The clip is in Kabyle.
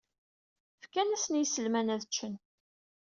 Fkant-asen i yiselman ad ččen.